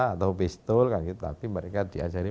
atau pistol kan gitu tapi mereka diajari